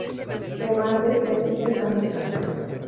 Pero antes bendicen la mesa.